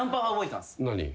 何？